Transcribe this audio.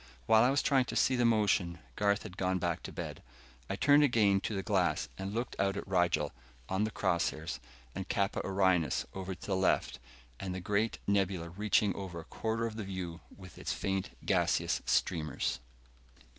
While I was trying to see the motion, Garth had gone back to bed. I turned again to the glass and looked out at Rigel, on the cross hairs, and Kappa Orionis, over to the left, and the great nebula reaching over a quarter of the view with its faint gaseous streamers.